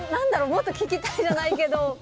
もっと聞きたいじゃないけど。